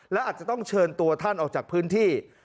และอาจจะต้องเชิญตัวท่านออกจากพื้นที่